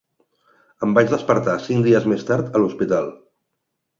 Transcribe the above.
Em vaig despertar cinc dies més tard a l'hospital.